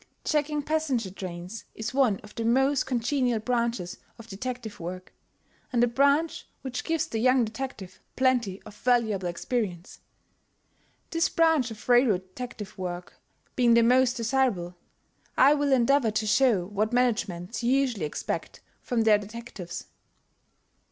Checking passenger trains is one of the most congenial branches of detective work, and a branch which gives the young detective plenty of valuable experience. This branch of railroad detective work being the most desirable, I will endeavor to show what managements usually expect from their detectives.